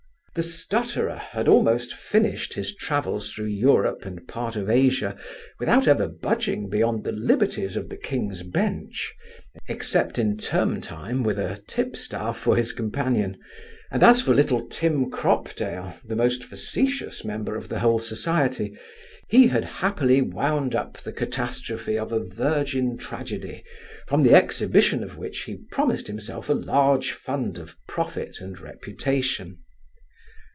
The stutterer had almost finished his travels through Europe and part of Asia, without ever budging beyond the liberties of the King's Bench, except in term time, with a tipstaff for his companion; and as for little Tim Cropdale, the most facetious member of the whole society, he had happily wound up the catastrophe of a virgin tragedy, from the exhibition of which he promised himself a large fund of profit and reputation.